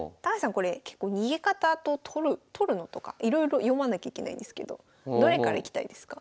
これ結構逃げ方と取るのとかいろいろ読まなきゃいけないんですけどどれからいきたいですか？